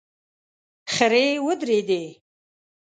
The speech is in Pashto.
خرې ودرېدې.